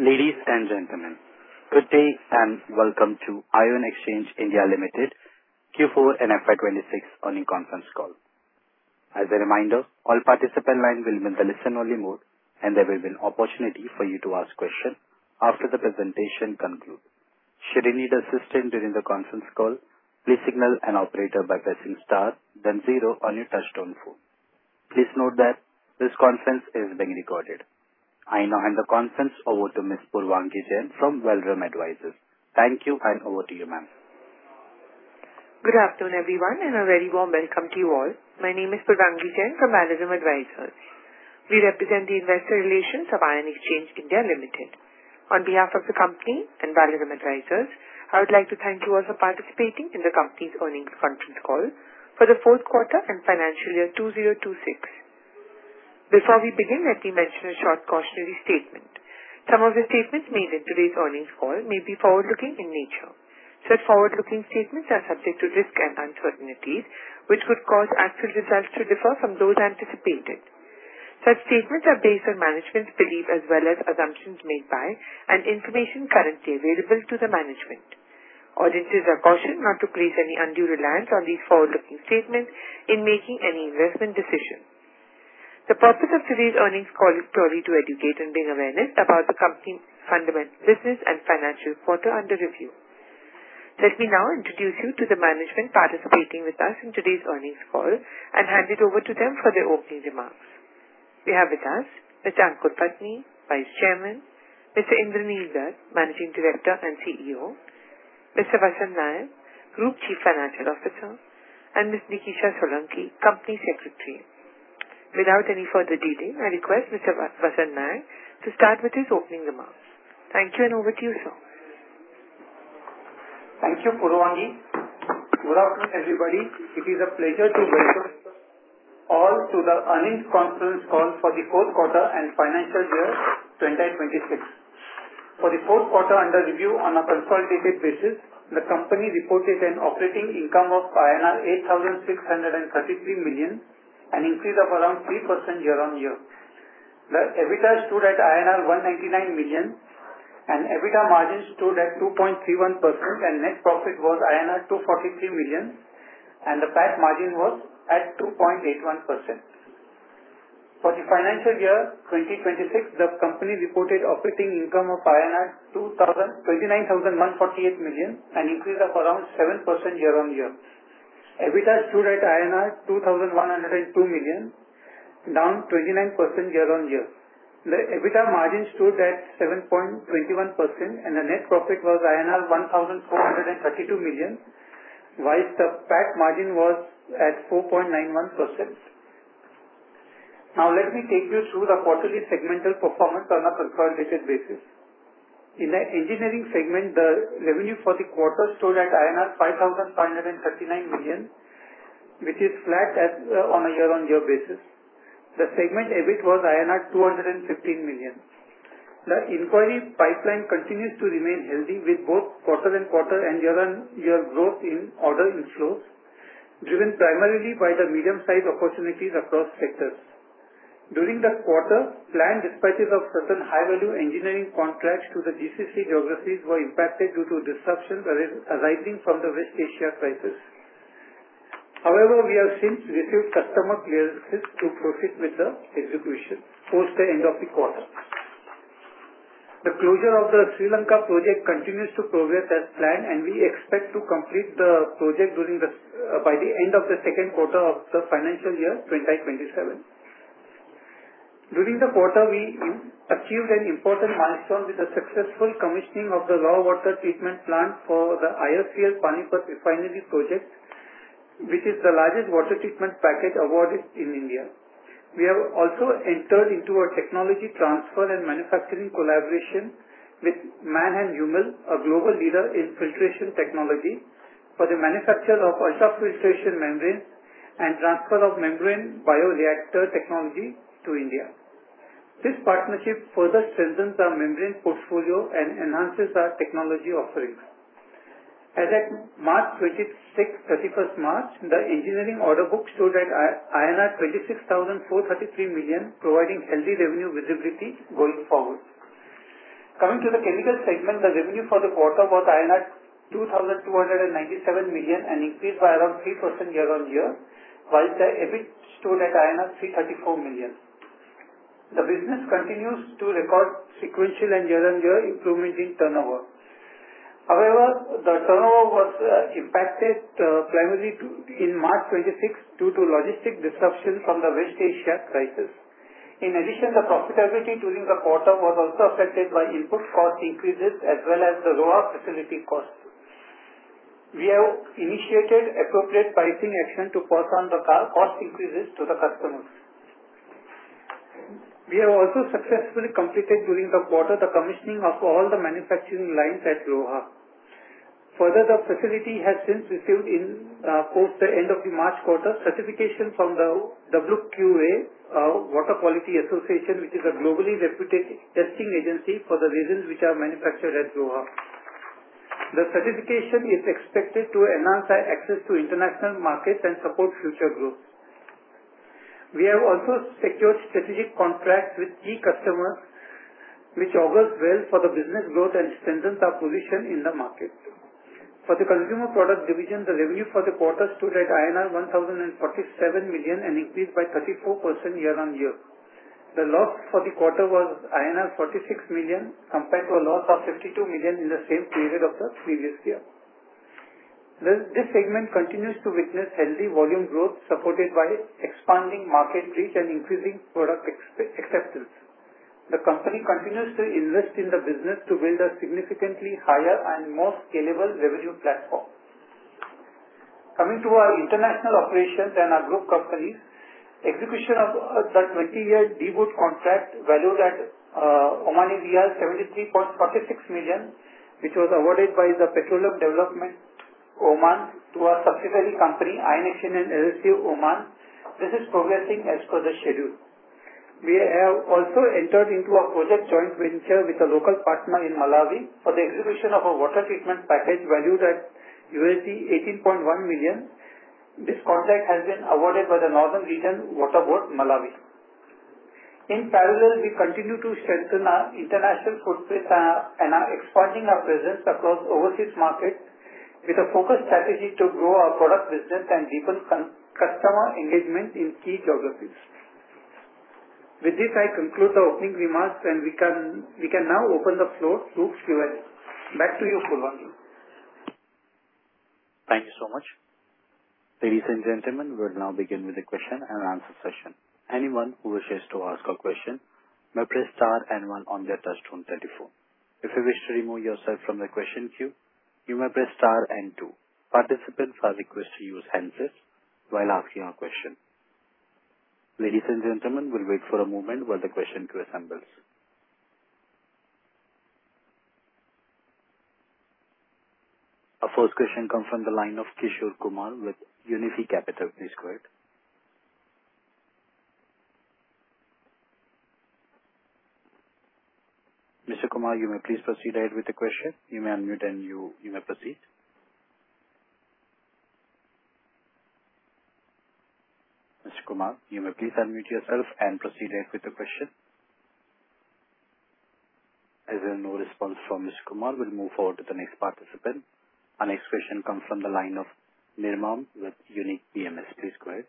Ladies and gentlemen, good day and welcome to Ion Exchange India Limited Q4 and FY 2026 earnings conference call. As a reminder, all participant lines will be in the listen-only mode, there will be an opportunity for you to ask questions after the presentation concludes. Should you need assistance during the conference call, please signal an operator by pressing star then 0 on your touchtone phone. Please note that this conference is being recorded. I now hand the conference over to Ms. Purvangi Jain from Valorem Advisors. Thank you. Over to you, ma'am. Good afternoon, everyone, and a very warm welcome to you all. My name is Purvangi Jain from Valorem Advisors. We represent the investor relations of Ion Exchange India Limited. On behalf of the company and Valorem Advisors, I would like to thank you all for participating in the company's earnings conference call for the fourth quarter and financial year 2026. Before we begin, let me mention a short cautionary statement. Some of the statements made in today's earnings call may be forward-looking in nature. Such forward-looking statements are subject to risks and uncertainties, which could cause actual results to differ from those anticipated. Such statements are based on management's belief as well as assumptions made by and information currently available to the management. Audiences are cautioned not to place any undue reliance on these forward-looking statements in making any investment decisions. The purpose of today's earnings call is solely to educate and bring awareness about the company's fundamental business and financial quarter under review. Let me now introduce you to the management participating with us in today's earnings call and hand it over to them for their opening remarks. We have with us Mr. Aankur Patni, Vice Chairman; Mr. Indraneel Dutt, Managing Director and CEO; Mr. Vasant Naik, Group Chief Financial Officer; and Ms. Nikisha Solanki, Company Secretary. Without any further delay, I request Mr. Vasant Naik to start with his opening remarks. Thank you. Over to you, sir. Thank you, Purvangi. Good afternoon, everybody. It is a pleasure to welcome you all to the earnings conference call for the fourth quarter and financial year 2026. For the fourth quarter under review on a consolidated basis, the company reported an operating income of INR 8,633 million, an increase of around 3% year-on-year. The EBITDA stood at INR 199 million, EBITDA margin stood at 2.31%, net profit was INR 243 million, the PAT margin was at 2.81%. For the financial year 2026, the company reported operating income of INR 29,148 million, an increase of around 7% year-on-year. EBITDA stood at INR 2,102 million, down 29% year-on-year. The EBITDA margin stood at 7.21%, the net profit was INR 1,432 million, whilst the PAT margin was at 4.91%. Let me take you through the quarterly segmental performance on a consolidated basis. In the engineering segment, the revenue for the quarter stood at INR 5,539 million, which is flat on a year-on-year basis. The segment EBIT was INR 215 million. The inquiry pipeline continues to remain healthy with both quarter-on-quarter and year-on-year growth in order inflows, driven primarily by the medium-size opportunities across sectors. During the quarter, planned dispatches of certain high-value engineering contracts to the GCC geographies were impacted due to disruptions arising from the West Asia crisis. We have since received customer clearances to proceed with the execution towards the end of the quarter. The closure of the Sri Lanka project continues to progress as planned, and we expect to complete the project by the end of the second quarter of the financial year 2027. During the quarter, we achieved an important milestone with the successful commissioning of the raw water treatment plant for the IOCL Panipat Refinery project, which is the largest water treatment package awarded in India. We have also entered into a technology transfer and manufacturing collaboration with MANN+HUMMEL, a global leader in filtration technology, for the manufacture of ultrafiltration membranes and transfer of membrane bioreactor technology to India. This partnership further strengthens our membrane portfolio and enhances our technology offerings. As at March 31st, the engineering order book stood at INR 26,433 million, providing healthy revenue visibility going forward. Coming to the chemical segment, the revenue for the quarter was INR 2,297 million, an increase by around 3% year-on-year, while the EBIT stood at INR 334 million. The business continues to record sequential and year-on-year improvement in turnover. The turnover was impacted primarily in March 26th due to logistic disruption from the West Asia crisis. In addition, the profitability during the quarter was also affected by input cost increases as well as the lower facility costs. We have initiated appropriate pricing action to pass on the cost increases to the customers. We have also successfully completed during the quarter the commissioning of all the manufacturing lines at Roha. Further, the facility has since received towards the end of the March quarter certification from the WQA, Water Quality Association, which is a globally reputed testing agency for the resins which are manufactured at Roha. The certification is expected to enhance our access to international markets and support future growth. We have also secured strategic contracts with key customers, which augurs well for the business growth and strengthens our position in the market. For the consumer product division, the revenue for the quarter stood at INR 1,047 million, and increased by 34% year-on-year. The loss for the quarter was INR 46 million, compared to a loss of 52 million in the same period of the previous year. This segment continues to witness healthy volume growth, supported by expanding market reach and increasing product acceptance. The company continues to invest in the business to build a significantly higher and more scalable revenue platform. Coming to our international operations and our group companies. Execution of the 20-year dewatering contract, valued at Omani rial 73.46 million, which was awarded by the Petroleum Development Oman to our subsidiary company, Ion Exchange LLC, Oman. This is progressing as per the schedule. We have also entered into a project joint venture with a local partner in Malawi for the execution of a water treatment package valued at $18.1 million. This contract has been awarded by the Northern Region Water Board, Malawi. In parallel, we continue to strengthen our international footprint and are expanding our presence across overseas markets with a focused strategy to grow our product business and deepen customer engagement in key geographies. With this, I conclude the opening remarks, and we can now open the floor to Q&A. Back to you, Pulvan. Thank you so much. Ladies and gentlemen, we will now begin with the question and answer session. Anyone who wishes to ask a question may press star and one on their touchtone telephone. If you wish to remove yourself from the question queue, you may press star and two. Participants are requested to use handsets while asking a question. Ladies and gentlemen, we will wait for a moment while the question queue assembles. Our first question comes from the line of Kishore Kumar with UniFi Capital. Please go ahead. Mr. Kumar, you may please proceed with the question. You may unmute and you may proceed. Mr. Kumar, you may please unmute yourself and proceed with the question. As there is no response from Mr. Kumar, we will move forward to the next participant. Our next question comes from the line of Nirmam with Unique PMS. Please go ahead.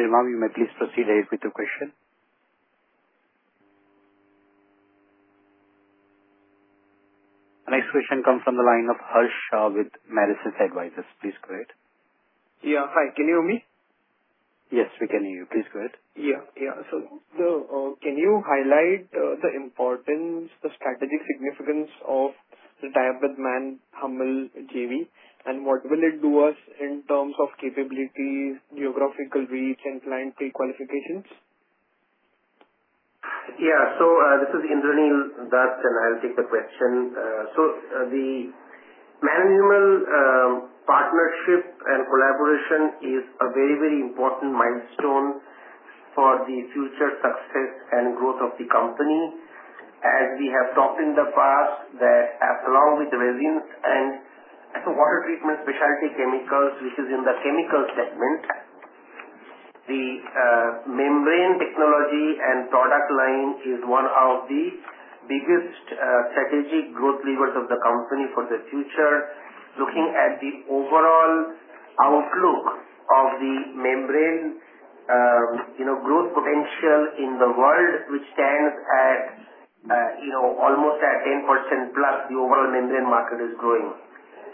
Nirmam, you may please proceed with your question. Our next question comes from the line of Harsh Shah with Merisis Advisors. Please go ahead. Yeah. Hi, can you hear me? Yes, we can hear you. Please go ahead. Can you highlight the importance, the strategic significance of the MANN+HUMMEL JV, and what will it do us in terms of capabilities, geographical reach, and client pre-qualifications? This is Indranil Das, and I'll take the question. The MANN+HUMMEL partnership and collaboration is a very important milestone for the future success and growth of the company. As we have talked in the past, that along with resins and water treatment specialty chemicals, which is in the chemicals segment, the membrane technology and product line is one of the biggest strategic growth levers of the company for the future. Looking at the overall outlook of the membrane growth potential in the world, which stands at almost at 10% plus, the overall membrane market is growing.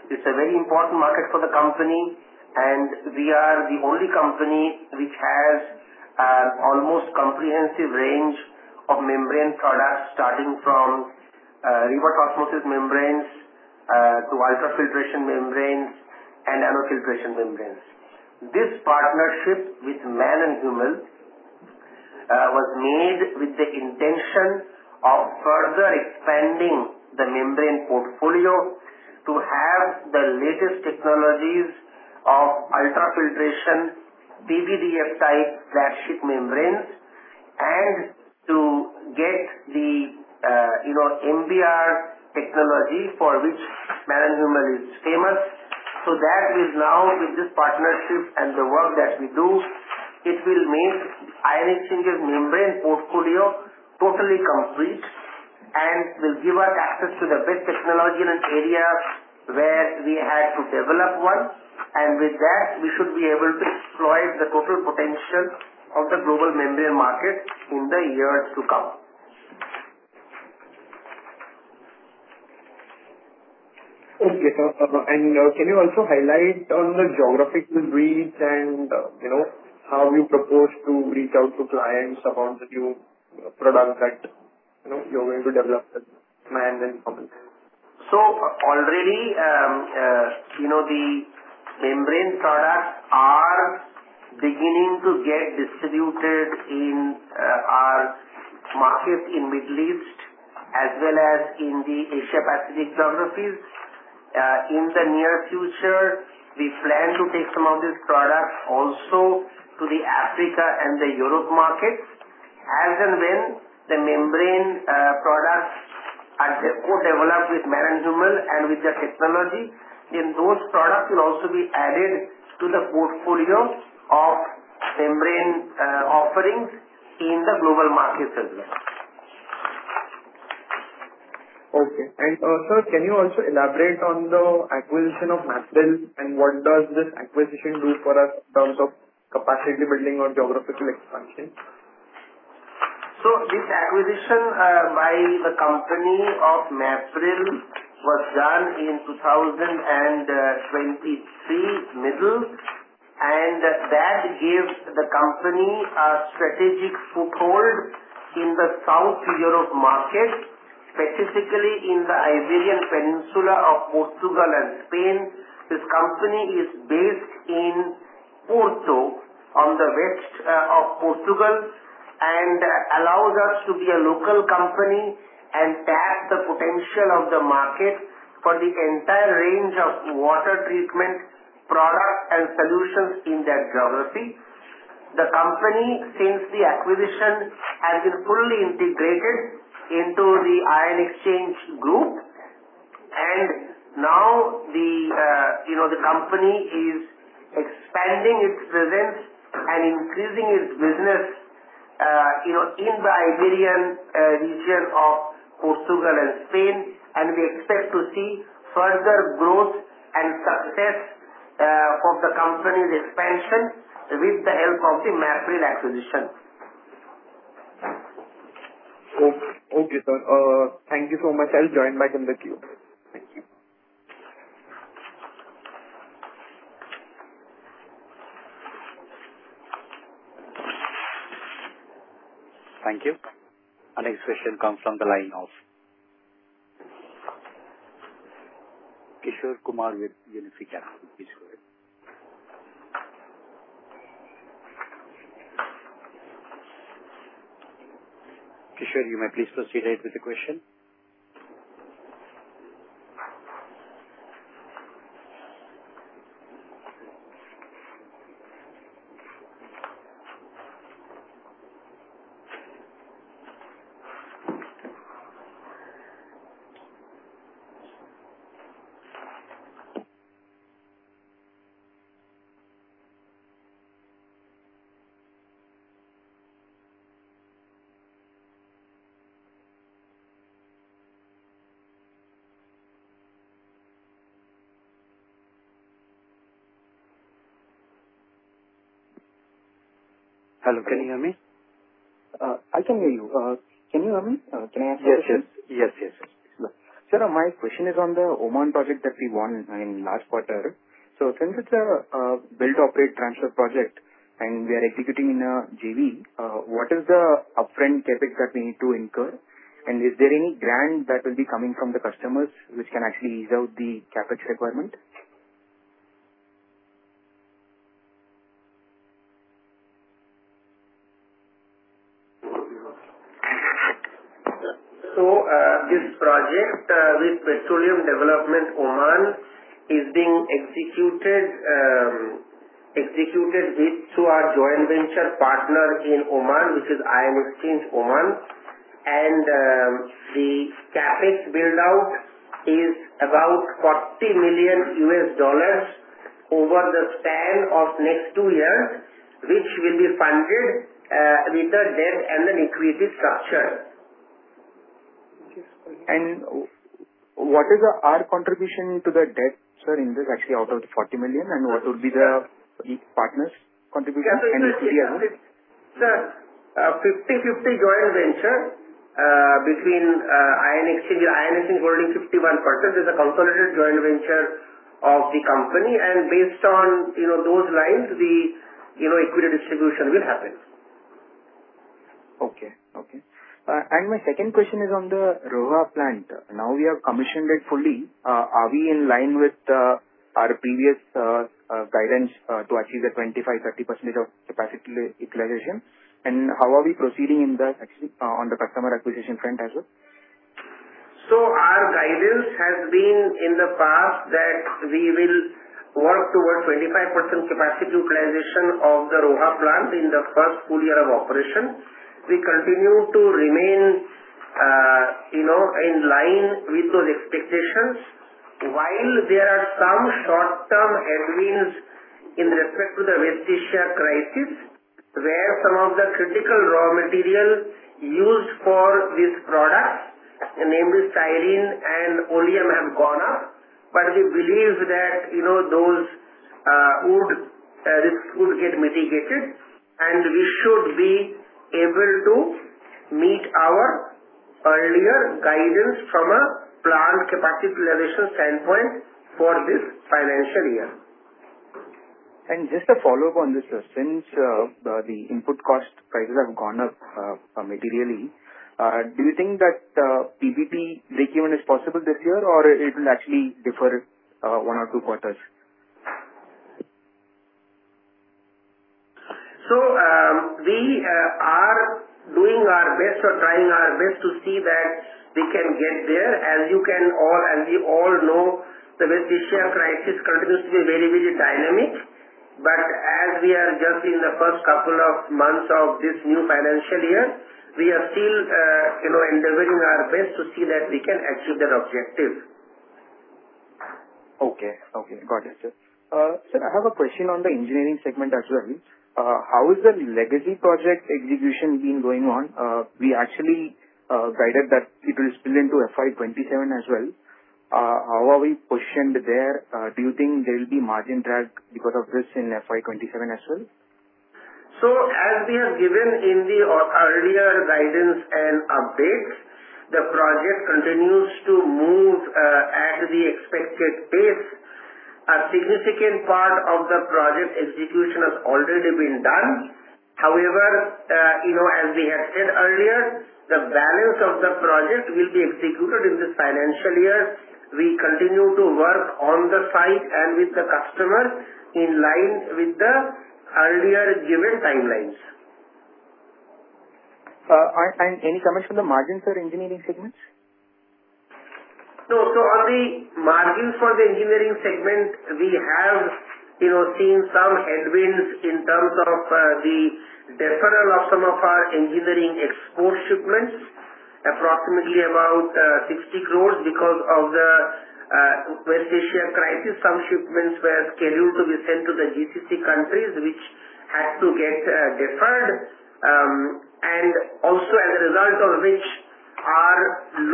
It's a very important market for the company, and we are the only company which has almost comprehensive range of membrane products, starting from reverse osmosis membranes to ultrafiltration membranes and nanofiltration membranes. This partnership with MANN+HUMMEL was made with the intention of further expanding the membrane portfolio to have the latest technologies of ultrafiltration, PVDF type flagship membranes, and to get the MBR technology for which MANN+HUMMEL is famous. That will now, with this partnership and the work that we do, it will make Ion Exchange's membrane portfolio totally complete and will give us access to the best technology in an area where we had to develop one. With that, we should be able to exploit the total potential of the global membrane market in the years to come. Okay. Can you also highlight on the geographical reach and how you propose to reach out to clients about the new product? You're going to develop that demand in public. Already, the membrane products are beginning to get distributed in our markets in Middle East as well as in the Asia-Pacific geographies. In the near future, we plan to take some of these products also to the Africa and the Europe markets. As and when the membrane products are co-developed with MANN+HUMMEL and with their technology, those products will also be added to the portfolio of membrane offerings in the global markets as well. Okay. Sir, can you also elaborate on the acquisition of MAPRIL, and what does this acquisition do for us in terms of capacity building or geographical expansion? This acquisition by the company of MAPRIL was done in 2023, middle. That gives the company a strategic foothold in the South Europe market, specifically in the Iberian Peninsula of Portugal and Spain. This company is based in Porto on the west of Portugal and allows us to be a local company and tap the potential of the market for the entire range of water treatment products and solutions in that geography. The company, since the acquisition, has been fully integrated into the Ion Exchange group, and now the company is expanding its presence and increasing its business in the Iberian region of Portugal and Spain, and we expect to see further growth and success for the company's expansion with the help of the MAPRIL acquisition. Okay, sir. Thank you so much. I'll join back in the queue. Thank you. Thank you. Our next question comes from the line of Kishore Kumar with UniFi Capital. Kishore? Kishore, you may please proceed ahead with the question. Hello, can you hear me? I can hear you. Can you hear me? Can I ask the question? Yes. Sure. Sir, my question is on the Oman project that we won in last quarter. Since it's a build operate transfer project and we are executing in a JV, what is the upfront CapEx that we need to incur? Is there any grant that will be coming from the customers which can actually ease out the CapEx requirement? This project with Petroleum Development Oman is being executed with through our joint venture partner in Oman, which is Ion Exchange Oman. The CapEx build-out is about $40 million over the span of next two years, which will be funded with a debt and an equity structure. What is our contribution to the debt, sir, in this actually out of the $40 million, and what would be the partners' contribution in this JV? Sir, fifty-fifty joint venture between Ion Exchange. Ion Exchange holding 51% is a consolidated joint venture of the company and based on those lines, the equity distribution will happen. My second question is on the Roha plant. Now we have commissioned it fully. Are we in line with our previous guidance to achieve the 25%, 30% of capacity utilization? How are we proceeding in that actually on the customer acquisition front as well? Our guidance has been in the past that we will work towards 25% capacity utilization of the Roha plant in the first full year of operation. We continue to remain in line with those expectations while there are some short-term headwinds in respect to the West Asia crisis, where some of the critical raw materials used for this product, namely styrene and oleum, have gone up. We believe that those risks would get mitigated, and we should be able to meet our earlier guidance from a plant capacity utilization standpoint for this financial year. Just a follow-up on this, sir. Since the input cost prices have gone up materially, do you think that P&L breakeven is possible this year, or it will actually defer one or two quarters? We are doing our best or trying our best to see that we can get there. As you can, and we all know, the West Asia crisis continues to be very dynamic. As we are just in the first couple of months of this new financial year, we are still endeavoring our best to see that we can achieve that objective. Okay. Got it, sir. Sir, I have a question on the engineering segment as well. How has the legacy project execution been going on? We actually guided that it will spill into FY 2027 as well. How are we positioned there? Do you think there will be margin drag because of this in FY 2027 as well? As we have given in the earlier guidance and updates, the project continues to move at the expected pace. A significant part of the project execution has already been done. However, as we had said earlier, the balance of the project will be executed in this financial year. We continue to work on the site and with the customer in line with the earlier given timelines. Any comments on the margins for engineering segments? On the margins for the engineering segment, we have seen some headwinds in terms of the deferral of some of our engineering export shipments, approximately about 60 crore because of the West Asia crisis. Some shipments were scheduled to be sent to the GCC countries, which had to get deferred. Also as a result of which our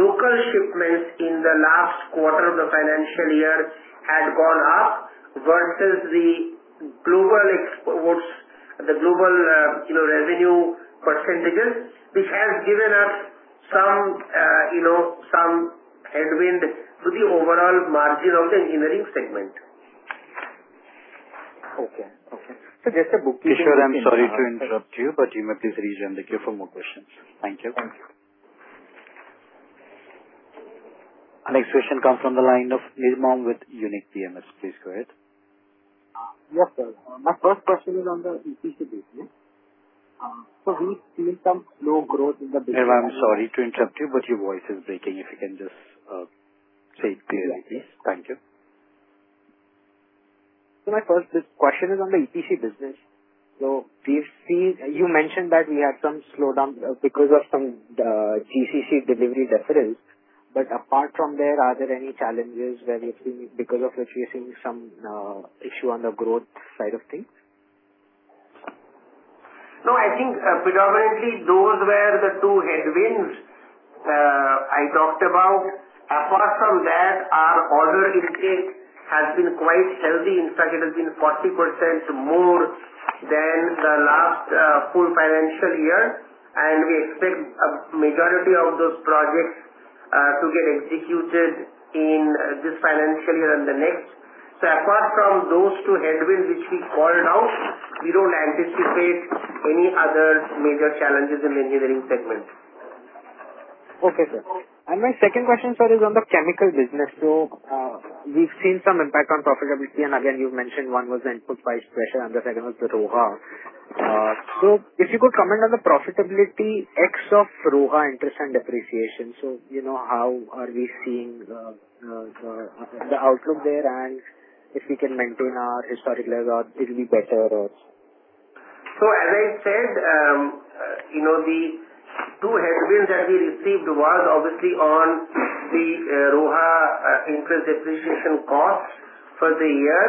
local shipments in the last quarter of the financial year had gone up versus the global exports, the global revenue percentages, which has given us some headwind to the overall margin of the engineering segment. Okay. Kishore, I'm sorry to interrupt you, but you have to please resume the queue for more questions. Thank you. Thank you. Our next question comes from the line of Nirmal with Unique PMS. Please go ahead. Yes, sir. My first question is on the EPC business. We've seen some slow growth in the business- Nirmal, I'm sorry to interrupt you. Your voice is breaking. If you can just say it clearly. Yes. Thank you. My first question is on the EPC business. You mentioned that we had some slowdown because of some GCC delivery deferrals. Apart from there, are there any challenges you're facing some issue on the growth side of things? No, I think predominantly those were the two headwinds I talked about. Apart from that, our order intake has been quite healthy. In fact, it has been 40% more than the last full financial year, and we expect a majority of those projects to get executed in this financial year and the next. Apart from those two headwinds, which we called out, we don't anticipate any other major challenges in the engineering segment. Okay, sir. My second question, sir, is on the chemical business. We've seen some impact on profitability, and again, you've mentioned one was the input price pressure and the second was the Roha. If you could comment on the profitability ex Roha interest and depreciation. How are we seeing the outlook there and if we can maintain our historical or it'll be better? As I said, the two headwinds that we received was obviously on the Roha interest depreciation cost for the year,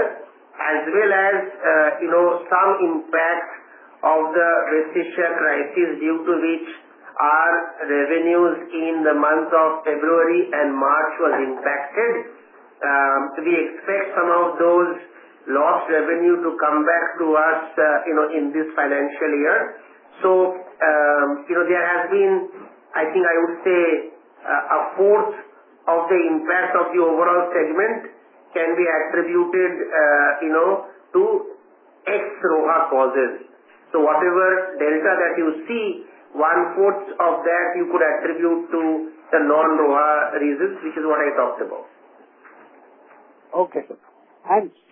as well as some impact of the West Asia crisis due to which our revenues in the month of February and March was impacted. We expect some of those lost revenue to come back to us in this financial year. There has been, I think I would say, a fourth of the impact of the overall segment can be attributed to ex-Roha causes. Whatever delta that you see, one-fourth of that you could attribute to the non-Roha reasons, which is what I talked about. Okay, sir.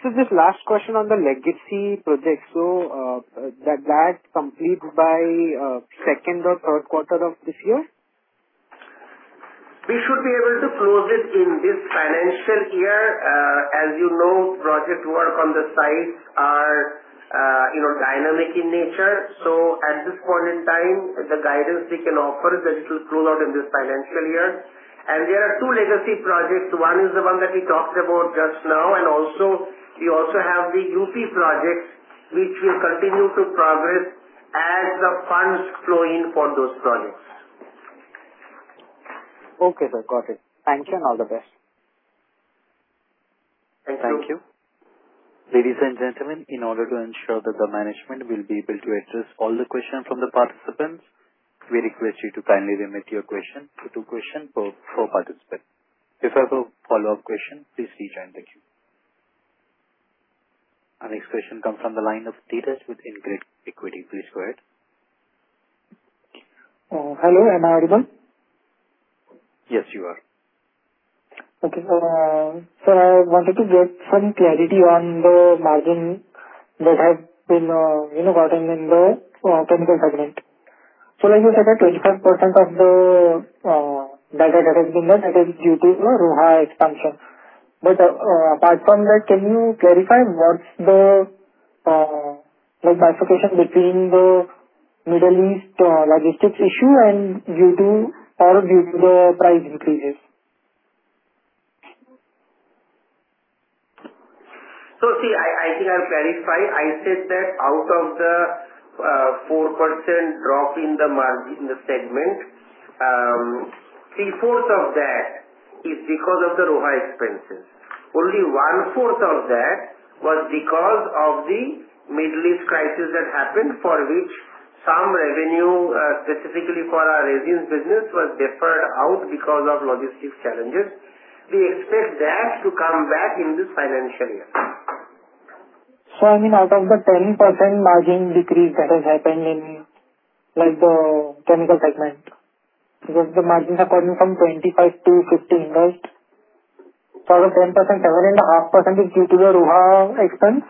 Just last question on the legacy project. That completes by second or third quarter of this year? We should be able to close it in this financial year. As you know, project work on the sites are dynamic in nature. At this point in time, the guidance we can offer is that it will close out in this financial year. There are two legacy projects. One is the one that we talked about just now, and we also have the UP projects, which will continue to progress as the funds flow in for those projects. Okay, sir. Got it. Thank you and all the best. Thank you. Thank you. Ladies and gentlemen, in order to ensure that the management will be able to address all the questions from the participants, we request you to kindly limit your question to two question per participant. If there's a follow-up question, please rejoin the queue. Our next question comes from the line of Tejas with Ingrid Equity. Please go ahead. Hello, am I audible? Yes, you are. Okay. I wanted to get some clarity on the margin that has been gotten in the chemical segment. Like you said that 25% of the data that has been there, that is due to Roha expansion. Apart from that, can you clarify what's the bifurcation between the Middle East logistics issue and due to the price increases? See, I think I'll clarify. I said that out of the 4% drop in the margin in the segment, three-fourths of that is because of the Roha expenses. Only one-fourth of that was because of the Middle East crisis that happened, for which some revenue, specifically for our resins business, was deferred out because of logistics challenges. We expect that to come back in this financial year. I mean, out of the 10% margin decrease that has happened in the chemical segment, because the margin has gone from 25 to 15, right? Out of 10%, 7.5% is due to the Roha expense?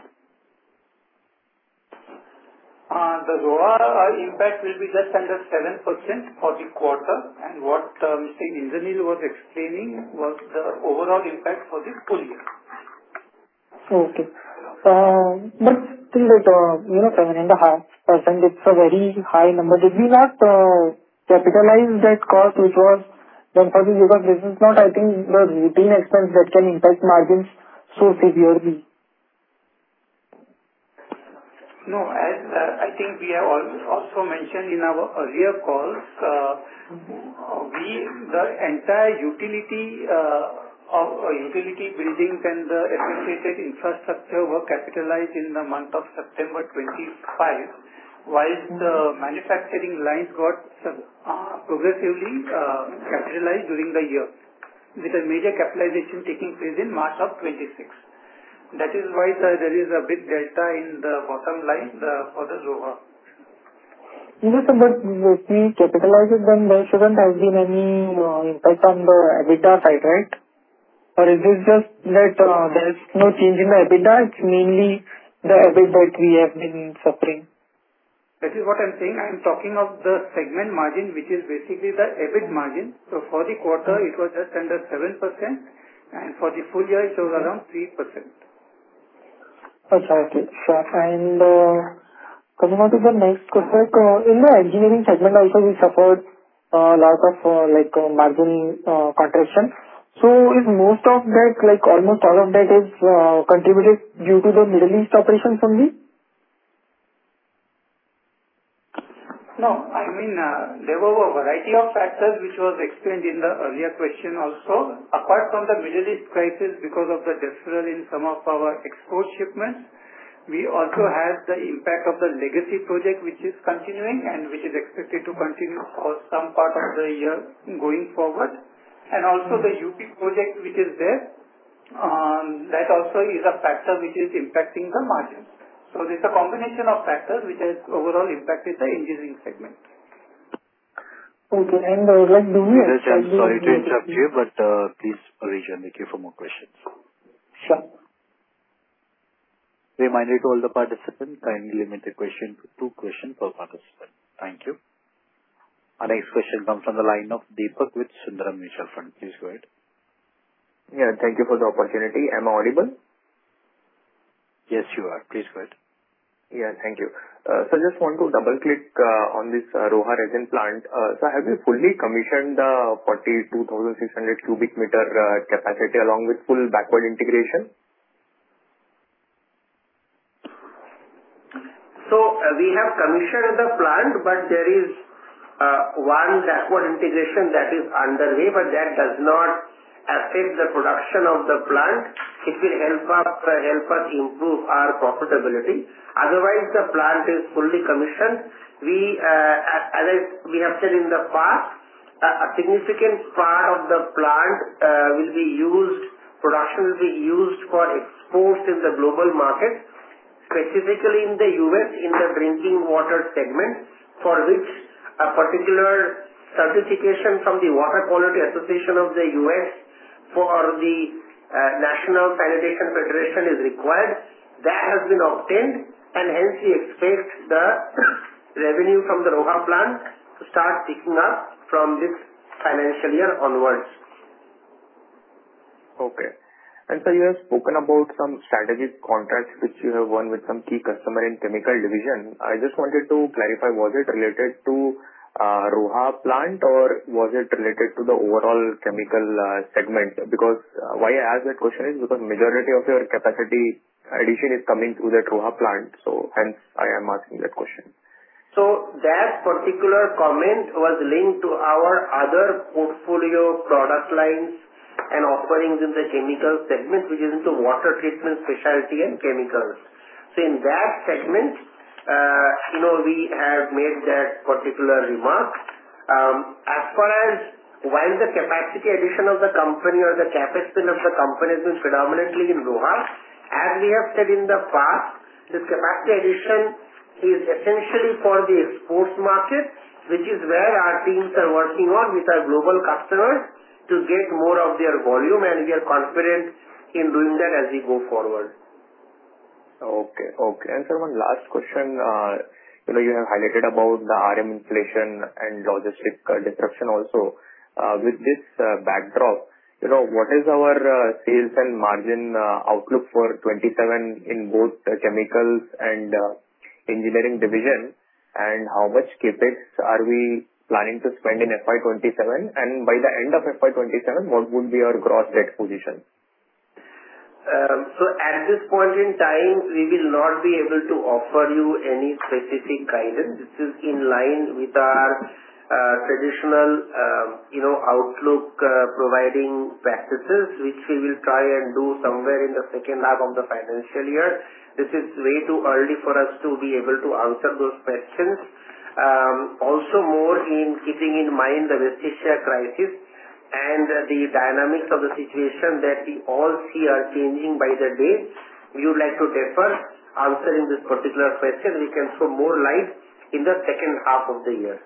The Roha impact will be less than the 7% for this quarter. What Mr. Indranil Bhatt was explaining was the overall impact for this full year. Okay. Still, 7.5% it's a very high number. Did we not capitalize that cost, which was done for you? This is not, I think, the routine expense that can impact margins so severely. I think we have also mentioned in our earlier calls, the entire utility buildings and the associated infrastructure were capitalized in the month of September 2025, while the manufacturing lines got progressively capitalized during the year, with a major capitalization taking place in March of 2026. That is why there is a big delta in the bottom line for the Roha. If we capitalize it, there shouldn't have been any impact on the EBITDA side, right? Is it just that there's no change in the EBITDA, it's mainly the EBIT that we have been suffering? That is what I'm saying. I'm talking of the segment margin, which is basically the EBIT margin. For the quarter, it was just under 7%, and for the full year it was around 3%. Okay. Coming on to the next question, in the Engineering Segment also, we suffered a lot of margin contraction. Is most of that, almost all of that is contributed due to the Middle East operation only? No. There were a variety of factors which was explained in the earlier question also. Apart from the Middle East crisis, because of the deferral in some of our export shipments, we also had the impact of the legacy project, which is continuing and which is expected to continue for some part of the year going forward. Also the UP project which is there, that also is a factor which is impacting the margins. It's a combination of factors which has overall impacted the Engineering Segment. Okay. Tejas, I'm sorry to interrupt you, please rejoin the queue for more questions. Sure. Reminder to all the participants, kindly limit the question to two question per participant. Thank you. Our next question comes from the line of Deepak with Sundaram Mutual Fund. Please go ahead. Yeah, thank you for the opportunity. Am I audible? Yes, you are. Please go ahead. Thank you. I just want to double-click on this Roha resin plant. Have you fully commissioned the 42,600 cubic meter capacity along with full backward integration? We have commissioned the plant, but there is one backward integration that is under way, that does not affect the production of the plant. It will help us improve our profitability. Otherwise, the plant is fully commissioned. As we have said in the past, a significant part of the plant will be used, production will be used for exports in the global market, specifically in the U.S., in the drinking water segment, for which a particular certification from the Water Quality Association of the U.S. for the National Sanitation Foundation is required. That has been obtained, and hence we expect the revenue from the Roha plant to start ticking up from this financial year onwards. Sir, you have spoken about some strategic contracts which you have won with some key customer in chemical division. I just wanted to clarify, was it related to Roha plant or was it related to the overall chemical segment? Why I ask that question is because majority of your capacity addition is coming through that Roha plant. Hence I am asking that question. That particular comment was linked to our other portfolio product lines and offerings in the chemical segment, which is into water treatment specialty and chemicals. In that segment, we have made that particular remark. As far as while the capacity addition of the company or the CapEx spend of the company has been predominantly in Roha, as we have said in the past, this capacity addition is essentially for the exports market, which is where our teams are working on with our global customers to get more of their volume, and we are confident in doing that as we go forward. Okay. Sir, one last question. You have highlighted about the RM inflation and logistic disruption also. With this backdrop, what is our sales and margin outlook for 2027 in both chemicals and engineering division? How much CapEx are we planning to spend in FY 2027? By the end of FY 2027, what would be our gross debt position? At this point in time, we will not be able to offer you any specific guidance. This is in line with our traditional outlook providing practices, which we will try and do somewhere in the second half of the financial year. This is way too early for us to be able to answer those questions. More in keeping in mind the West Asia crisis and the dynamics of the situation that we all see are changing by the day. We would like to defer answering this particular question. We can throw more light in the second half of the year.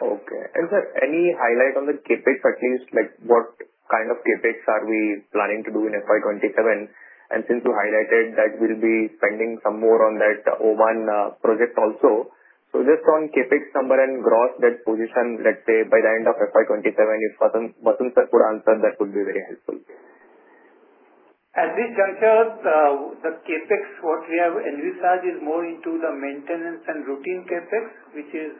Okay. Sir, any highlight on the CapEx, at least like what kind of CapEx are we planning to do in FY 2027? Since you highlighted that we'll be spending some more on that Oman project also. Just on CapEx number and gross debt position, let's say by the end of FY 2027, if Vasant sir could answer, that would be very helpful. At this juncture, the CapEx what we have envisaged is more into the maintenance and routine CapEx, which is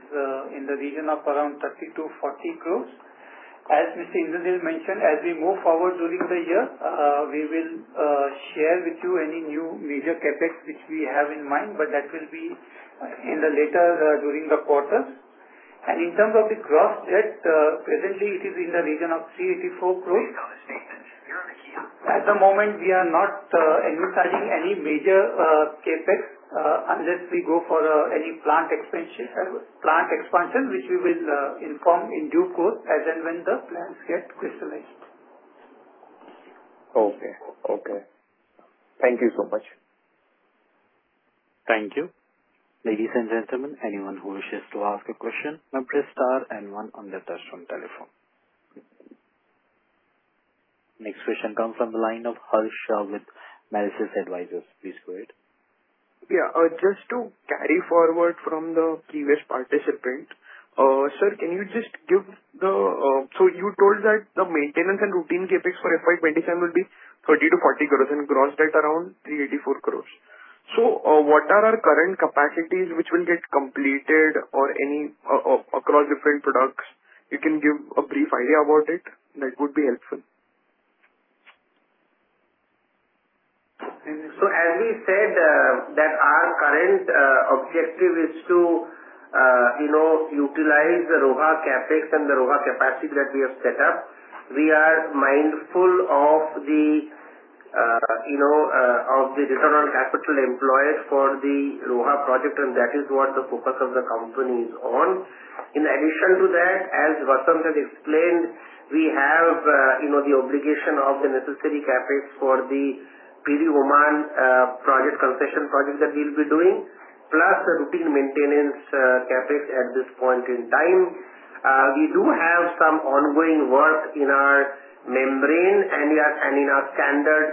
in the region of around 30 crore-40 crore. As Mr. Indrajit mentioned, as we move forward during the year, we will share with you any new major CapEx which we have in mind, but that will be in the later during the quarters. In terms of the gross debt, presently it is in the region of 384 crore. At the moment, we are not envisaging any major CapEx, unless we go for any plant expansion, which we will inform in due course as and when the plans get crystallized. Okay. Thank you so much. Thank you. Ladies and gentlemen, anyone who wishes to ask a question, now press star and one on the touchtone telephone. Next question comes from the line of Harsha with Merisis Advisors. Please go ahead. Yeah. Just to carry forward from the previous participant. Sir, you told that the maintenance and routine CapEx for FY 2027 will be 30 crore-40 crore and gross debt around 384 crore. What are our current capacities which will get completed across different products? You can give a brief idea about it. That would be helpful. As we said that our current objective is to utilize the Roha CapEx and the Roha capacity that we have set up. We are mindful of the return on capital employed for the Roha project, and that is what the focus of the company is on. In addition to that, as Vasan has explained, we have the obligation of the necessary CapEx for the PDO, Oman concession project that we will be doing, plus the routine maintenance CapEx at this point in time. We do have some ongoing work in our membrane and in our standard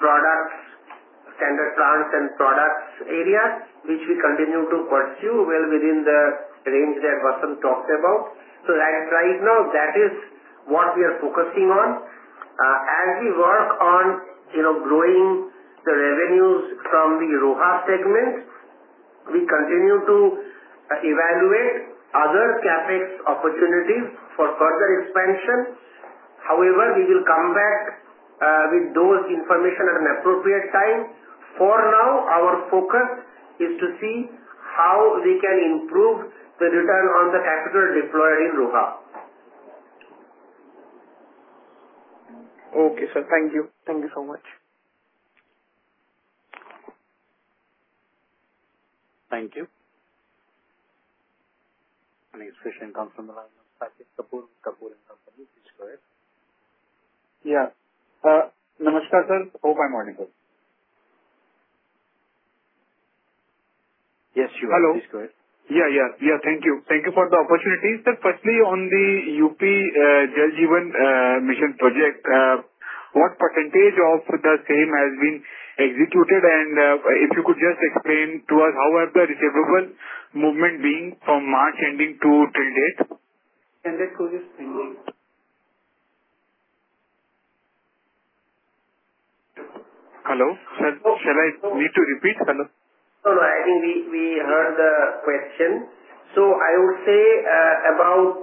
plants and products area, which we continue to pursue well within the range that Vasan talked about. As right now, that is what we are focusing on. As we work on growing the revenues from the Roha segment, we continue to evaluate other CapEx opportunities for further expansion. However, we will come back with those information at an appropriate time. For now, our focus is to see how we can improve the return on the capital deployed in Roha. Okay, sir. Thank you. Thank you so much. Thank you. Next question comes from the line of Saket Kapoor Investments. Please go ahead. Yeah. Namaskar sir. Good morning sir. Yes, you have- Hello. Please go ahead. Yeah. Thank you. Thank you for the opportunity. Sir, firstly, on the UP Jal Jeevan Mission project, what percentage of the same has been executed? If you could just explain to us how has the receivable movement been from March ending to till date? Can I call this screen? Hello? Sir, shall I need to repeat? Hello? No, I think we heard the question. I would say about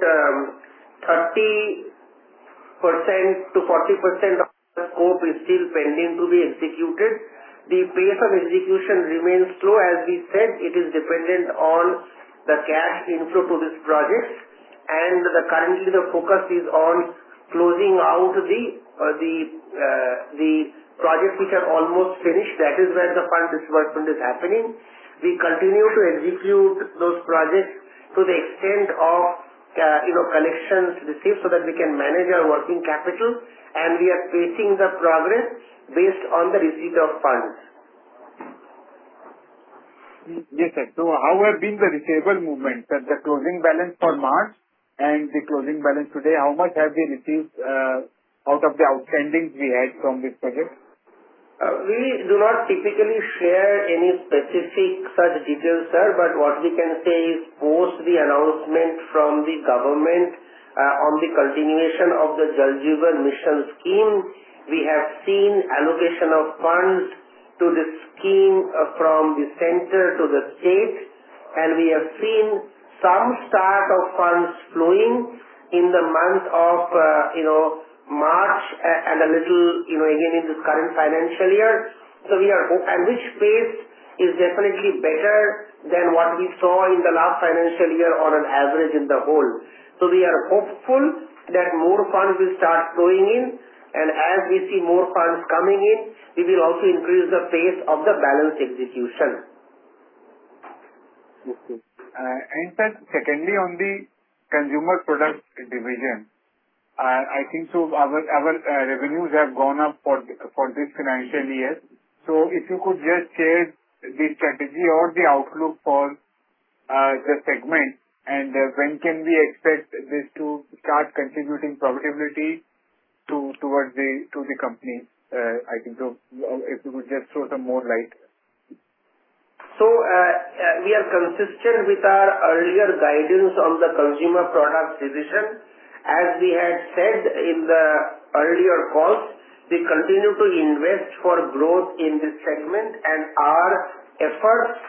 30%-40% of the scope is still pending to be executed. The pace of execution remains slow. As we said, it is dependent on the cash inflow to this project, and currently the focus is on Closing out the projects which are almost finished, that is where the fund disbursement is happening. We continue to execute those projects to the extent of collections received so that we can manage our working capital, and we are pacing the progress based on the receipt of funds. Yes, sir. How have been the receivable movements at the closing balance for March and the closing balance today? How much have we received out of the outstanding we had from this segment? We do not typically share any specific such details, sir, what we can say is post the announcement from the government on the continuation of the Jal Jeevan Mission scheme, we have seen allocation of funds to the scheme from the center to the state, we have seen some start of funds flowing in the month of March and a little again in this current financial year. This pace is definitely better than what we saw in the last financial year on an average in the whole. We are hopeful that more funds will start flowing in, as we see more funds coming in, we will also increase the pace of the balance execution. Yes, sir. Sir, secondly, on the consumer products division, I think our revenues have gone up for this financial year. If you could just share the strategy or the outlook for the segment and when can we expect this to start contributing profitability towards the company. If you could just throw some more light. We are consistent with our earlier guidance on the consumer products division. As we had said in the earlier calls, we continue to invest for growth in this segment and our efforts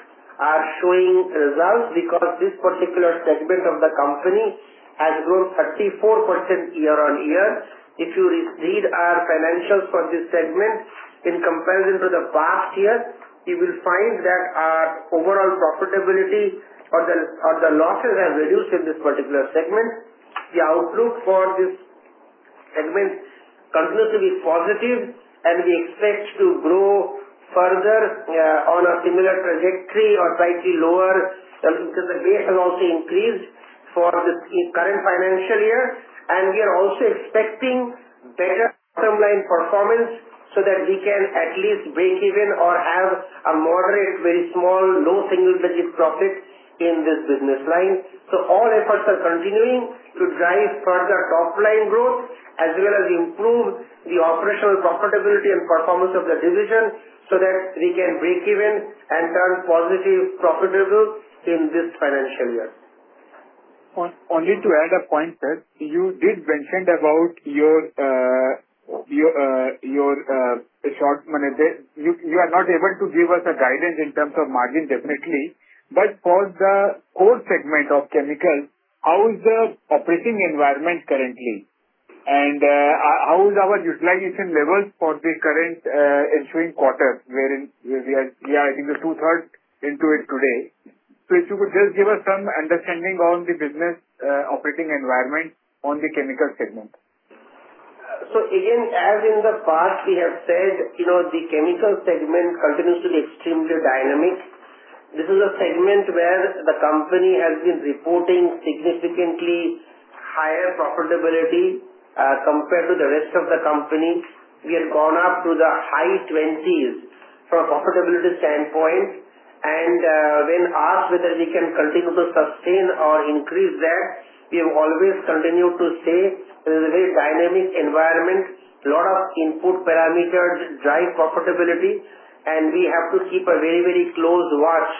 are showing results because this particular segment of the company has grown 34% year-on-year. If you read our financials for this segment in comparison to the past years, you will find that our overall profitability or the losses have reduced in this particular segment. The outlook for this segment continues to be positive and we expect to grow further on a similar trajectory or slightly lower because the base has also increased for the current financial year. We are also expecting better bottom line performance so that we can at least break even or have a moderate, very small, low single-digit profit in this business line. All efforts are continuing to drive further top-line growth as well as improve the operational profitability and performance of the division so that we can break even and turn positive profitable in this financial year. Only to add a point, sir. You did mention about your short money there. You are not able to give us a guidance in terms of margin definitely, but for the core segment of chemical, how is the operating environment currently and how is our utilization levels for the current ensuing quarter wherein we are I think two-thirds into it today. If you could just give us some understanding on the business operating environment on the chemical segment. Again as in the past we have said the chemical segment continues to be extremely dynamic. This is a segment where the company has been reporting significantly higher profitability compared to the rest of the company. We have gone up to the high twenties from profitability standpoint and when asked whether we can continue to sustain or increase that we have always continued to say this is a very dynamic environment. Lot of input parameters drive profitability and we have to keep a very close watch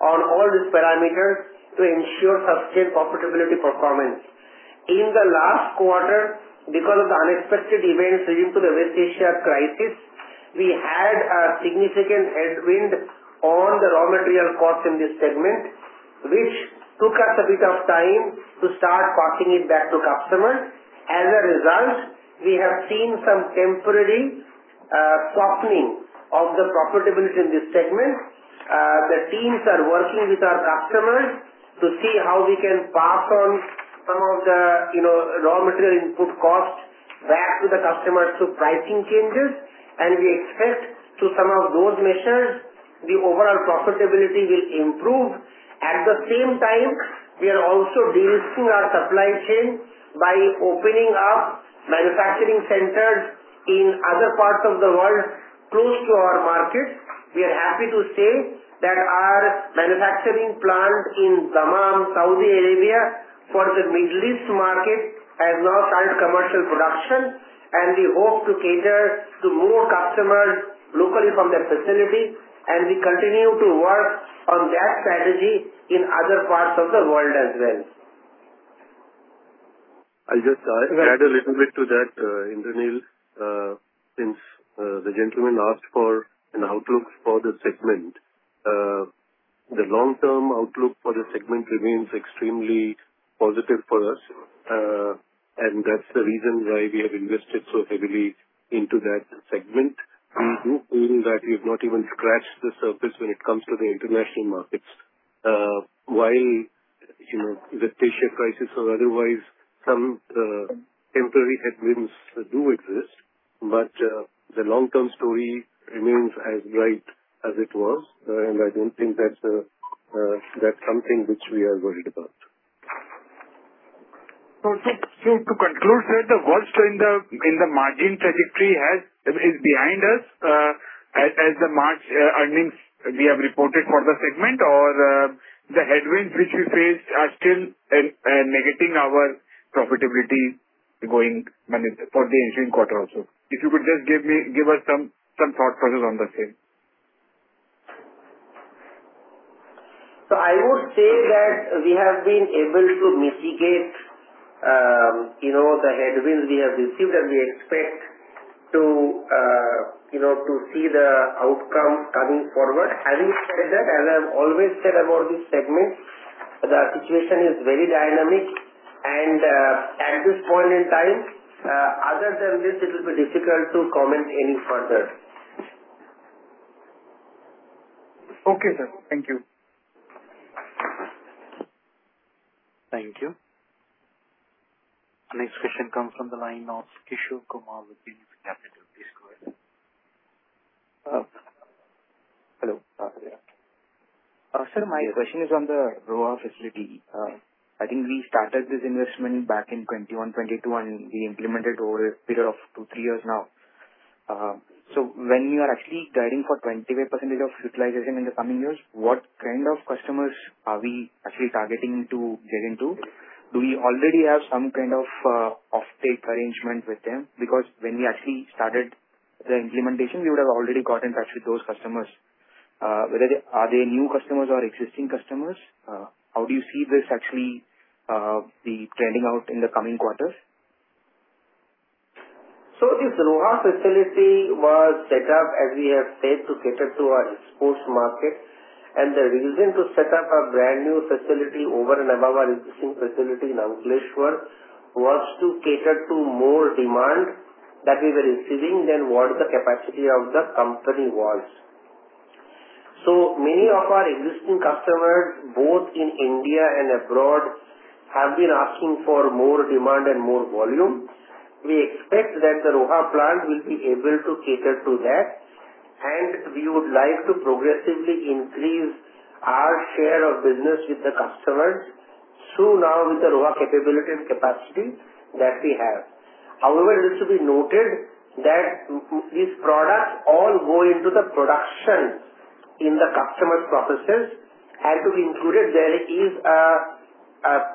on all these parameters to ensure sustained profitability performance. In the last quarter because of the unexpected events relating to the West Asia crisis we had a significant headwind on the raw material cost in this segment which took us a bit of time to start passing it back to customers. As a result we have seen some temporary softening of the profitability in this segment. The teams are working with our customers to see how we can pass on some of the raw material input cost back to the customers through pricing changes and we expect through some of those measures the overall profitability will improve. At the same time we are also de-risking our supply chain by opening up manufacturing centers in other parts of the world close to our markets. We are happy to say that our manufacturing plant in Dammam, Saudi Arabia for the Middle East market has now turned commercial production and we hope to cater to more customers locally from that facility and we continue to work on that strategy in other parts of the world as well. I'll just add a little bit to that, Indranil, since the gentleman asked for an outlook for the segment. The long-term outlook for the segment remains extremely positive for us and that's the reason why we have invested so heavily into that segment. Even that we've not even scratched the surface when it comes to the international markets. While the Red Sea crisis or otherwise some temporary headwinds do exist, the long-term story remains as bright as it was. I don't think that's something which we are worried about. To conclude, sir, the worst in the margin trajectory is behind us as the March earnings we have reported for the segment or the headwinds which we face are still negating our profitability for the ensuing quarter also. If you could just give us some thought process on the same. I would say that we have been able to mitigate the headwinds we have received, and we expect to see the outcome coming forward. Having said that, as I've always said about this segment, the situation is very dynamic and at this point in time other than this, it will be difficult to comment any further. Okay, sir. Thank you. Thank you. Next question comes from the line of Kishore Kumar with UniFi Capital. Please go ahead. Hello. Sir, my question is on the Roha facility. I think we started this investment back in 2021, 2022, and we implemented over a period of two, three years now. When you are actually guiding for 25% of utilization in the coming years, what kind of customers are we actually targeting to get into? Do we already have some kind of off take arrangement with them? Because when we actually started the implementation, we would have already got in touch with those customers. Are they new customers or existing customers? How do you see this actually the trending out in the coming quarters? This Roha facility was set up, as we have said, to cater to our exports market. The reason to set up a brand new facility over and above our existing facility in Ankleshwar was to cater to more demand that we were receiving than what the capacity of the company was. Many of our existing customers, both in India and abroad, have been asking for more demand and more volume. We expect that the Roha plant will be able to cater to that, we would like to progressively increase our share of business with the customers through now with the Roha capability and capacity that we have. However, it should be noted that these products all go into the production in the customer's processes, to be included, there is a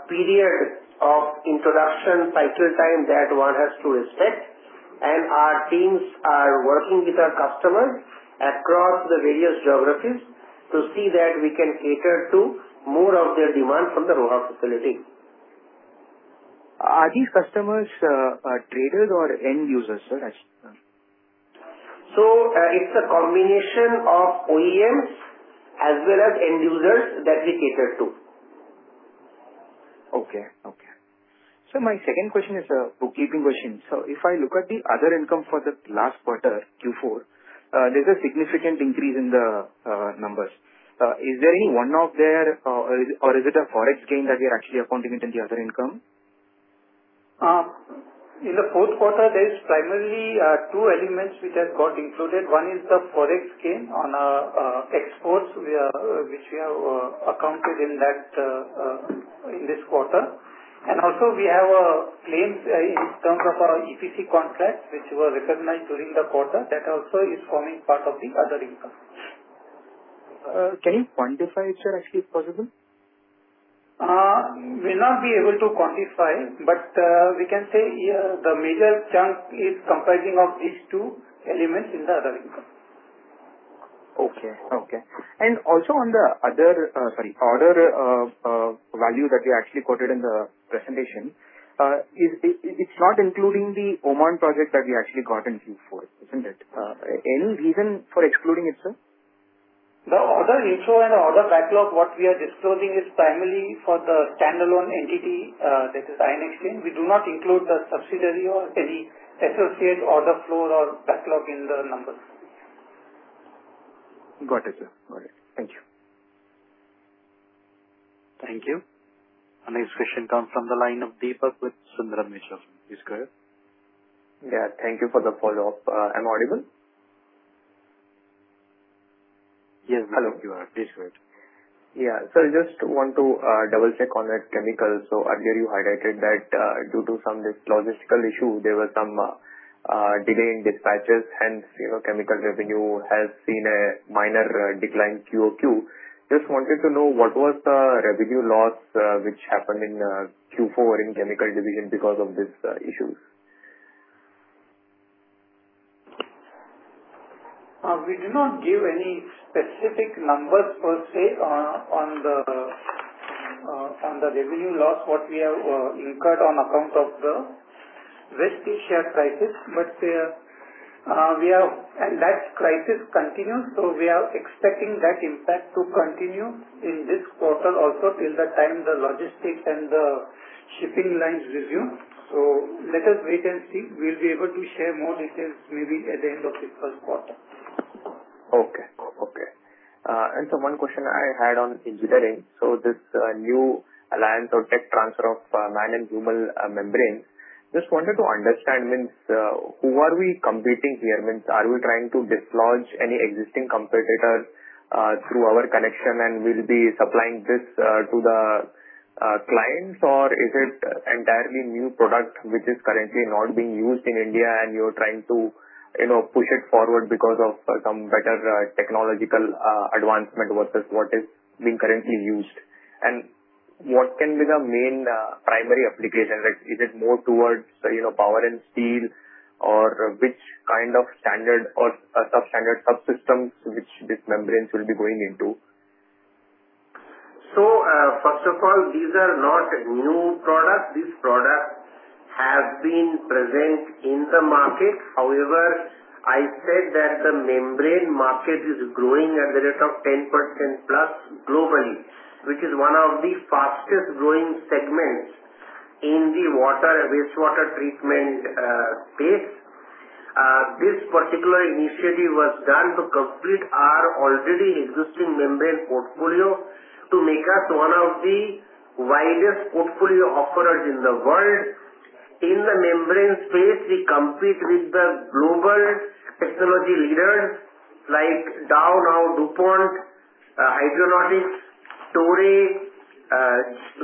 period of introduction cycle time that one has to respect. Our teams are working with our customers across the various geographies to see that we can cater to more of their demand from the Roha facility. Are these customers traders or end users, sir? It's a combination of OEMs as well as end users that we cater to. Okay. My second question is a bookkeeping question. If I look at the other income for the last quarter, Q4, there is a significant increase in the numbers. Is there any one-off there or is it a Forex gain that we are actually accounting it in the other income? In the fourth quarter, there is primarily two elements which have got included. One is the Forex gain on our exports which we have accounted in this quarter. Also, we have claims in terms of our EPC contract, which were recognized during the quarter. That also is forming part of the other income. Can you quantify it, sir, actually if possible? We'll not be able to quantify, we can say the major chunk is comprising of these two elements in the other income. Okay. Also on the other, sorry, order value that we actually quoted in the presentation. It is not including the Oman project that we actually got in Q4, isn't it? Any reason for excluding it, sir? The order inflow and order backlog, what we are disclosing is primarily for the standalone entity that is Ion Exchange. We do not include the subsidiary or any associate order flow or backlog in the numbers. Got it, sir. Thank you. Thank you. Our next question comes from the line of Deepak with Sundaram Mutual Fund. Please go ahead. Yeah. Thank you for the follow-up. Am I audible? Yes. You are. Please go ahead. Yeah. Sir, I just want to double check on that chemical. Earlier you highlighted that due to some logistical issue, there were some delay in dispatches, hence chemical revenue has seen a minor decline QOQ. Just wanted to know, what was the revenue loss which happened in Q4 in chemical division because of these issues. We do not give any specific numbers per se on the revenue loss, what we have incurred on account of the Red Sea crisis. That crisis continues, we are expecting that impact to continue in this quarter also till the time the logistics and the shipping lines resume. Let us wait and see. We will be able to share more details maybe at the end of the first quarter. Okay. One question I had on engineering. This new alliance or tech transfer of MANN+HUMMEL membrane, just wanted to understand, who are we competing here? Are we trying to dislodge any existing competitors through our connection and we will be supplying this to the clients, or is it entirely new product which is currently not being used in India and you are trying to push it forward because of some better technological advancement versus what is being currently used? What can be the main primary application? Is it more towards power and steel or which kind of standard or sub-standard subsystems which these membranes will be going into? First of all, these are not new products. These products have been present in the market. However, I said that the membrane market is growing at the rate of 10% plus globally, which is one of the fastest growing segments in the wastewater treatment space. This particular initiative was done to complete our already existing membrane portfolio to make us one of the widest portfolio offerers in the world. In the membrane space, we compete with the global technology leaders like Dow, now DuPont, Hydranautics, Toray,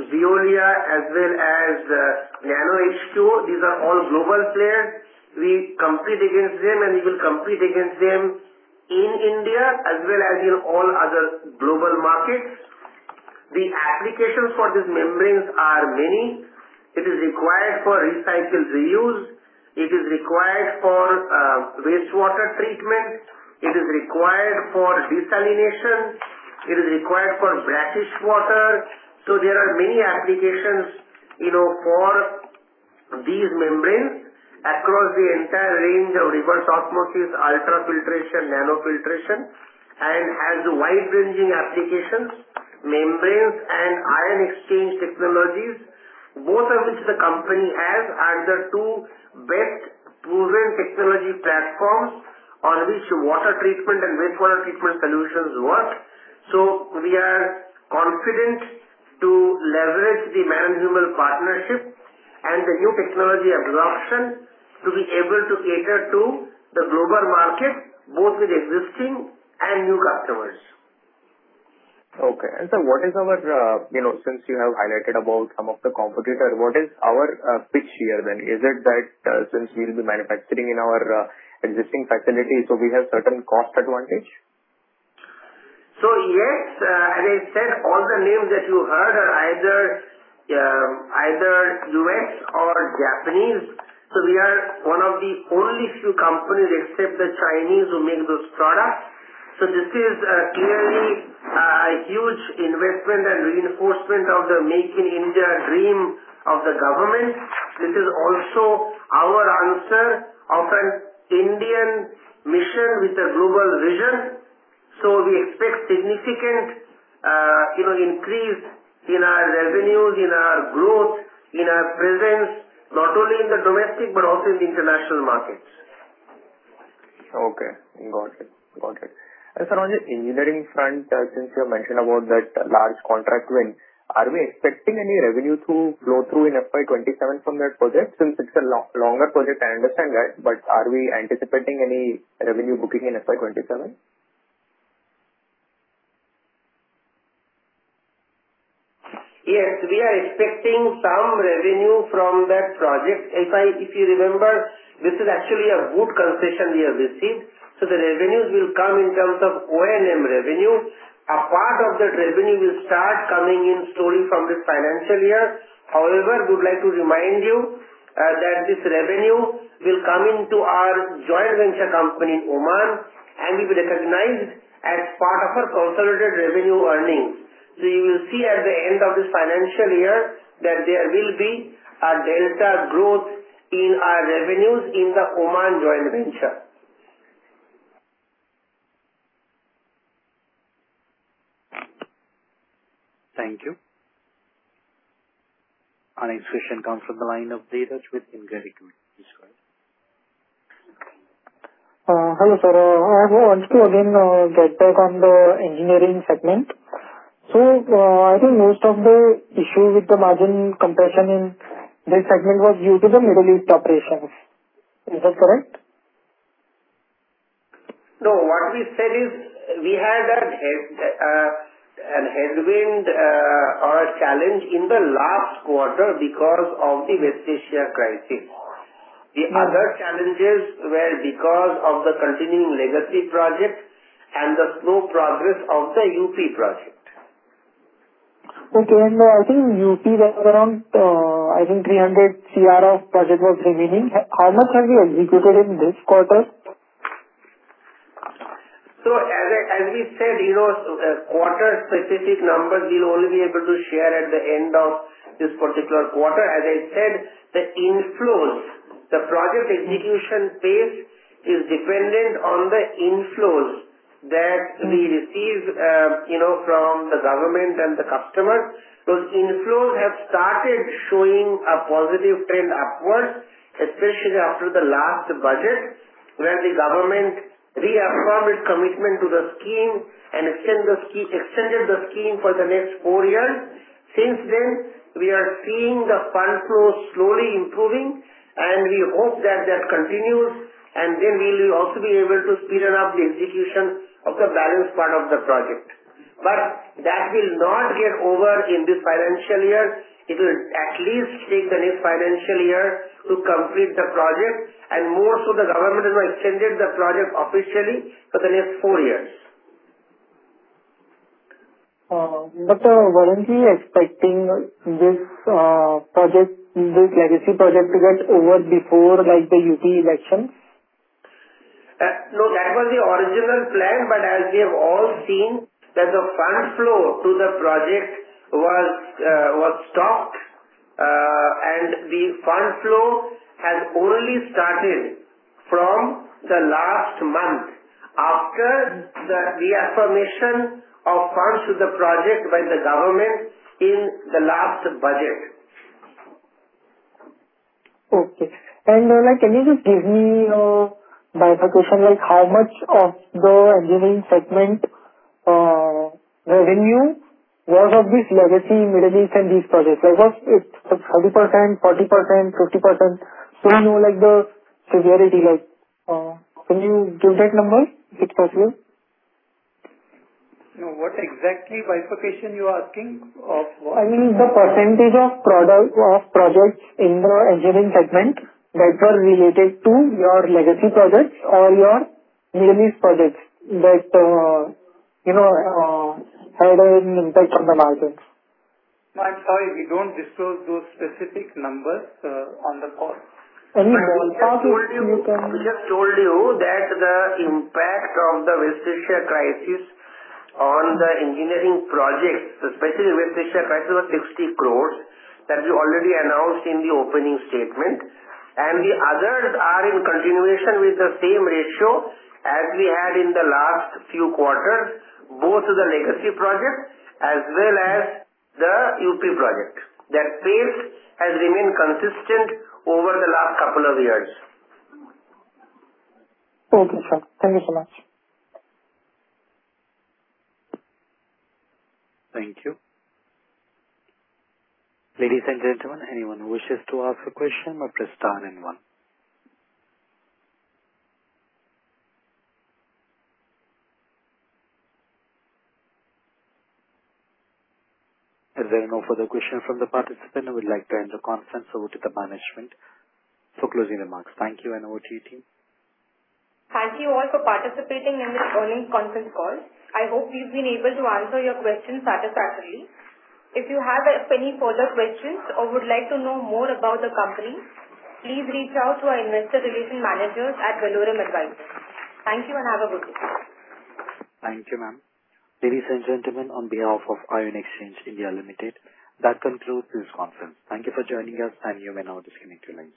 Veolia, as well as NanoH2O. These are all global players. We compete against them, and we will compete against them in India as well as in all other global markets. The applications for these membranes are many. It is required for recycled reuse, it is required for wastewater treatment, it is required for desalination, it is required for brackish water. There are many applications for these membranes across the entire range of reverse osmosis, ultrafiltration, nanofiltration, and has wide-ranging applications. Membranes and ion exchange technologies, both of which the company has, are the two best proven technology platforms on which water treatment and wastewater treatment solutions work. We are confident to leverage the MANN+HUMMEL partnership and the new technology absorption to be able to cater to the global market, both with existing and new customers. Okay. Sir, since you have highlighted about some of the competitors, what is our pitch here then? Is it that since we will be manufacturing in our existing facilities, we have certain cost advantage? Yes, as I said, all the names that you heard are either U.S. or Japanese. We are one of the only few companies except the Chinese who make those products. This is clearly a huge investment and reinforcement of the Make in India dream of the government. This is also our answer of an Indian mission with a global vision. We expect significant increase in our revenues, in our growth, in our presence, not only in the domestic but also in the international markets. Okay, got it. Sir, on the engineering front, since you have mentioned about that large contract win, are we expecting any revenue flow through in FY 2027 from that project since it's a longer project? I understand that, are we anticipating any revenue booking in FY 2027? Yes, we are expecting some revenue from that project. If you remember, this is actually a BOOT concession we have received, the revenues will come in terms of O&M revenue. A part of that revenue will start coming in slowly from this financial year. However, we would like to remind you that this revenue will come into our joint venture company in Oman and will be recognized as part of our consolidated revenue earnings. You will see at the end of this financial year that there will be a delta growth in our revenues in the Oman joint venture. Thank you. Our next question comes from the line of Dheeraj with IndiGrid. Go ahead. Hello, sir. I want to again get back on the engineering segment. I think most of the issue with the margin compression in this segment was due to the Middle East operations. Is that correct? No. What we said is, we had a headwind or a challenge in the last quarter because of the West Asia crisis. Yes. The other challenges were because of the continuing legacy projects and the slow progress of the UP project. Okay. I think UP was around 300 crore of project was remaining. How much have we executed in this quarter? As we said, quarter-specific numbers we will only be able to share at the end of this particular quarter. As I said, the inflows, the project execution pace is dependent on the inflows that we receive from the government and the customer. Those inflows have started showing a positive trend upwards, especially after the last budget where the government reaffirmed its commitment to the scheme and extended the scheme for the next 4 years. Since then, we are seeing the fund flow slowly improving, we hope that that continues, then we will also be able to speeden up the execution of the balance part of the project. That will not get over in this financial year. It will at least take the next financial year to complete the project, and more so the government has now extended the project officially for the next 4 years. Weren't we expecting this legacy project to get over before the U.P. election? No, that was the original plan, as we have all seen, that the fund flow to the project was stopped, the fund flow has only started from the last month after the reaffirmation of funds to the project by the government in the last budget. Okay. Can you just give me a bifurcation, how much of the engineering segment revenue was of this legacy Middle East and these projects? Was it 30%, 40%, 50%? We know the severity. Can you give that number if it's possible? What exactly bifurcation you are asking of what? I mean, the percentage of projects in the engineering segment that were related to your legacy projects or your Middle East projects that had an impact on the margins. No, I'm sorry. We don't disclose those specific numbers on the call. Any ballpark estimate you can? Abhisha told you that the impact of the West Asia crisis on the engineering projects, especially West Asia crisis, was 60 crore, that we already announced in the opening statement. The others are in continuation with the same ratio as we had in the last few quarters, both to the legacy projects as well as the UP project. That pace has remained consistent over the last couple of years. Okay, sir. Thank you so much. Thank you. Ladies and gentlemen, anyone who wishes to ask a question may press star one. There are no further questions from the participant, I would like to hand the conference over to the management for closing remarks. Thank you and over to you, team. Thank you all for participating in this earnings conference call. I hope we've been able to answer your questions satisfactorily. If you have any further questions or would like to know more about the company, please reach out to our investor relation managers at Valorem Advisors. Thank you and have a good day. Thank you, ma'am. Ladies and gentlemen, on behalf of Ion Exchange India Limited, that concludes this conference. Thank you for joining us. You may now disconnect your lines.